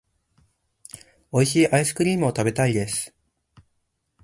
美味しいアイスクリームを食べたいです。